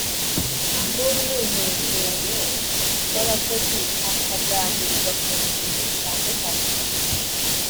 n umwiherero w abakozi hakaganirwa ku ngingo zitandukanye